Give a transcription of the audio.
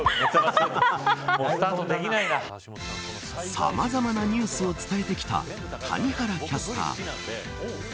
さまざまなニュースを伝えてきた谷原キャスター。